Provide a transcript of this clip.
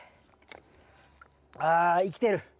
あ生きてる。